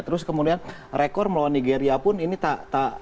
terus kemudian rekor melawan nigeria pun ini tak